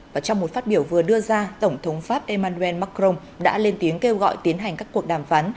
và trong một phát biểu vừa đưa ra tổng thống pháp emmanuel macron đã lên tiếng kêu gọi tiến hành các cuộc đàm phán